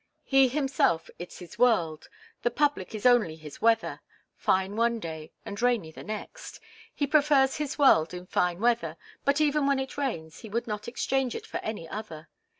He himself is his world the public is only his weather, fine one day and rainy the next. He prefers his world in fine weather, but even when it rains he would not exchange it for any other.